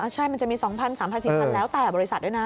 ใช่มันจะมี๒๐๐๓๔๐๐แล้วแต่บริษัทด้วยนะ